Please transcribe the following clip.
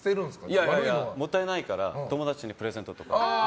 いやいや、もったいないから友達にプレゼントとか。